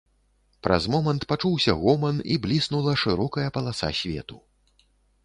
Праз момант пачуўся гоман і бліснула шырокая паласа свету.